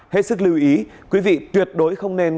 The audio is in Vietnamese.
hết sức lưu ý quý vị tuyệt đối không nên